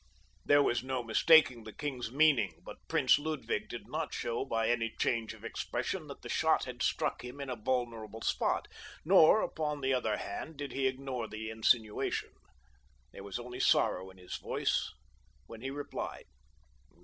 There was no mistaking the king's meaning, but Prince Ludwig did not show by any change of expression that the shot had struck him in a vulnerable spot; nor, upon the other hand, did he ignore the insinuation. There was only sorrow in his voice when he replied.